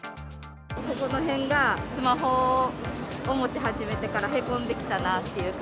ここのへんが、スマホを持ち始めてからへこんできたなっていう。